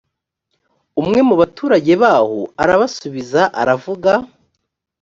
umwe mu baturage baho arabasubiza aravuga